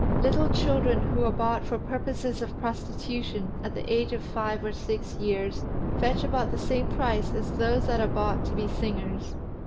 Little children who are bought for purposes of prostitution at the age of five or six years fetch about the same price as those that are bought to be singers.